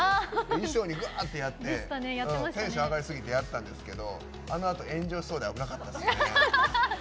衣装に、ぐーってやってテンション上がってやったんですけどあのあと炎上しそうで危なかったですね。